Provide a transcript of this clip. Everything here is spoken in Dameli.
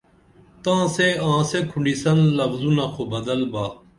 تاں سے آنسے کُھنڈیسن لفظونہ خو بدل با